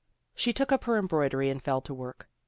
She took up her embroidery and fell to work.